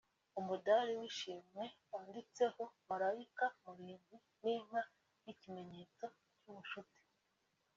umudari w’ishimwe wanditseho Malayika Murinzi n’inka y’ikimenyetso cy’ubucuti